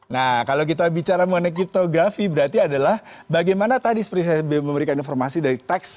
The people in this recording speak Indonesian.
nah kalau kita bicara mengenai kriptografi berarti adalah bagaimana tadi seperti saya memberikan informasi dari teks